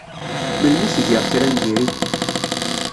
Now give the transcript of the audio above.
Melmi i k-giɣ kra n diri?